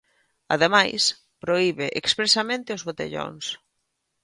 Ademais, prohibe expresamente os botellóns.